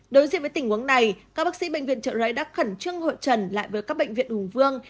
đối diện với tình huống này các bác sĩ bệnh viện trợ rẫy đã khẩn trương hội trần lại với các bệnh viện hùng vương